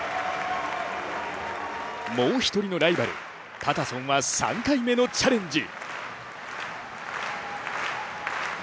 もう一人のライバルパタソンは３回目のチャレンジ。